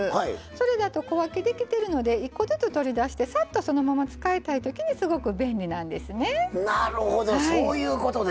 それだと小分けできてるので１個ずつ取り出してさっとそのまま使いたいときにすごく便利なんですね。